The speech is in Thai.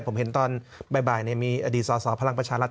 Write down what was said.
ผมเห็นตอนบ่ายมีอดีตสอสอพลังประชารัฐ